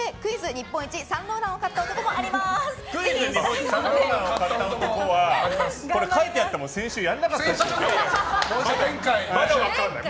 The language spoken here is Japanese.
日本一イヴ・サンローランを買った男は書いてあっても先週やらなかった。